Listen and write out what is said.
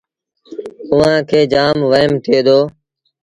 اُئآݩ کي جآم وهيم ٿئي دو